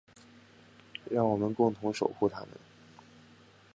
让我们共同守护她们。